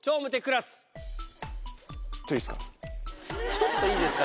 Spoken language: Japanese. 「ちょっといいですか」